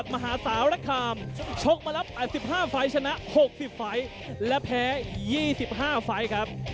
มหาสารคามชกมาแล้ว๘๕ไฟล์ชนะ๖๐ไฟล์และแพ้๒๕ไฟล์ครับ